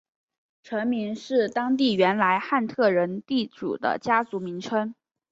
城名是当地原来汉特人地主的家族名称。